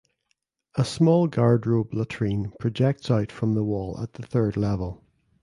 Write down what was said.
A small garderobe latrine projects out from the wall at the third level.